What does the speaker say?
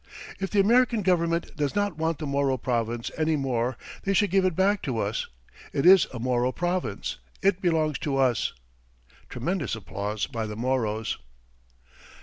"If the American Government does not want the Moro Province any more they should give it back to us. It is a Moro province. It belongs to us." (Tremendous applause by the Moros.)